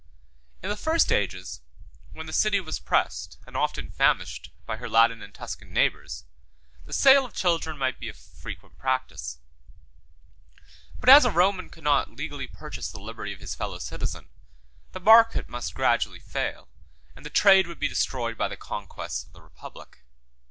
In the first ages, when the city was pressed, and often famished, by her Latin and Tuscan neighbors, the sale of children might be a frequent practice; but as a Roman could not legally purchase the liberty of his fellow citizen, the market must gradually fail, and the trade would be destroyed by the conquests of the republic.